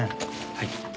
はい。